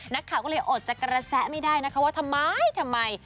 นักข่าวก็เลยอดจะกระแสไม่ได้นะคะว่าทำไมทำไม